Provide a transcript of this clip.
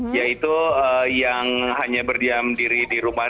yaitu yang hanya berdiam diri di rumah